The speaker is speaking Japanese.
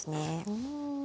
うん。